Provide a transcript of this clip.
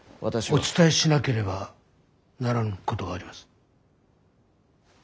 お伝えしなければならんことがあります。